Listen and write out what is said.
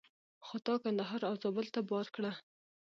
خو تا کندهار او زابل ته بار کړه.